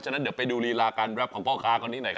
หมูปลาร้าอร้อยอย่างนี้เหรอ